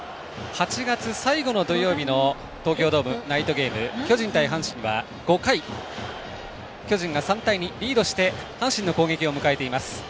８月最後の土曜日の東京ドームナイトゲーム巨人対阪神は５回、巨人が３対２リードして阪神の攻撃を迎えています。